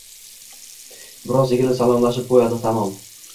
Biroz egilib salomlashib qoʻyadi, tamom.